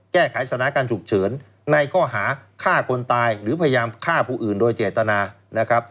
แก้ไขสถานการณ์ฉุกเฉินในข้อหาฆ่าคนตายหรือพยายามฆ่าผู้อื่นโดยเจตนานะครับ